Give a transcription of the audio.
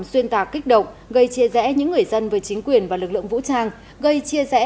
xuyên tạc kích động gây chia rẽ những người dân với chính quyền và lực lượng vũ trang gây chia rẽ